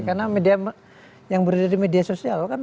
karena media yang berada di media sosial kan